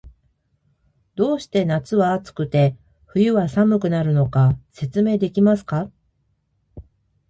どうして夏は暑くて、冬は寒くなるのか、説明できますか？